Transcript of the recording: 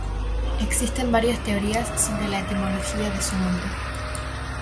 Existen varias teorías sobre la etimología de su nombre.